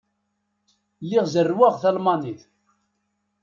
Lliɣ zerrweɣ talmanit.